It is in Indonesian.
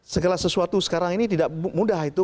segala sesuatu sekarang ini tidak mudah itu